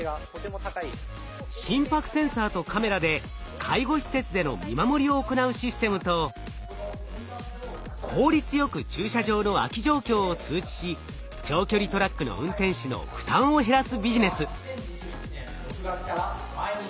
心拍センサーとカメラで介護施設での見守りを行うシステムと効率よく駐車場の空き状況を通知し長距離トラックの運転手の負担を減らすビジネス。